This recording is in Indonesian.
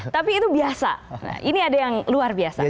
tapi itu biasa ini ada yang luar biasa